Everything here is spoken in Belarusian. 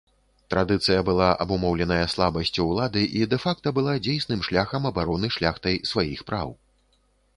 Традыцыя была абумоўленая слабасцю ўлады і дэ-факта была дзейсным шляхам абароны шляхтай сваіх праў.